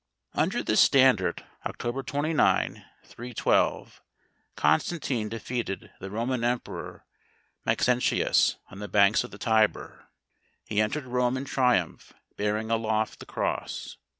Under this standard, October 29, 312, Constantine defeated the Roman Emperor, Maxentius, on the banks of the Tiber. He entered Rome in triumph, bearing aloft the cross.